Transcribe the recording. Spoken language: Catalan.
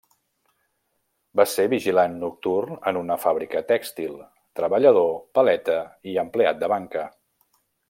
Va ser vigilant nocturn en una fàbrica tèxtil, treballador, paleta i empleat de banca.